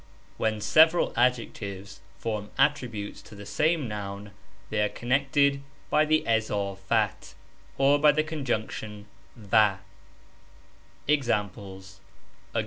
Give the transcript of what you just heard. When several adjectives form attributes to the same noun they are connected by the izafat or by the conjunction J va.